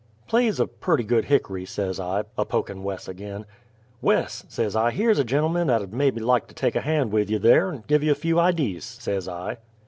"Plays a purty good hick'ry," says I, a pokin' Wes ag'in. "Wes," says I, "here's a gentleman 'at 'ud mebby like to take a hand with you there, and give you a few idys," says I.